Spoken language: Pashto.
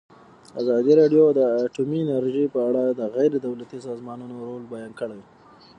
ازادي راډیو د اټومي انرژي په اړه د غیر دولتي سازمانونو رول بیان کړی.